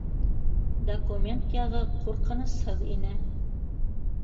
Документ яғы ҡурҡынысһыҙ ине.